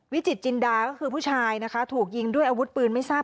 วิจิตจินดาก็คือผู้ชายนะคะถูกยิงด้วยอาวุธปืนไม่ทราบ